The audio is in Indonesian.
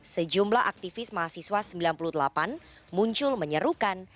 sejumlah aktivis mahasiswa seribu sembilan ratus sembilan puluh delapan muncul menyerukan